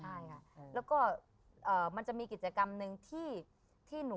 ใช่ค่ะแล้วก็มันจะมีกิจกรรมหนึ่งที่หนู